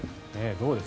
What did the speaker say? どうです？